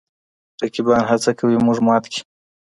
رقیبان هڅه کوي موږ مات کړي.